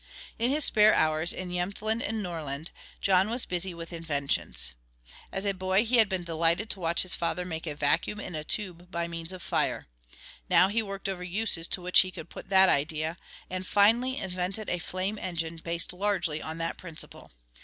In his spare hours in Jemtland and Norrland John was busy with inventions. As a boy he had been delighted to watch his father make a vacuum in a tube by means of fire. Now he worked over uses to which he could put that idea, and finally invented a flame engine based largely on that principle.